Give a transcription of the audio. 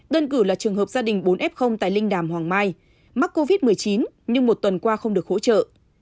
đơn cử là trường hợp gia đình bốn f tại linh đàm hoàng mai mắc covid một mươi chín nhưng một tuần qua không được hỗ trợ